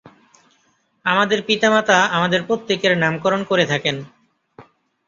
আমাদের পিতা-মাতা আমাদের প্রত্যেকের নামকরণ করে থাকেন।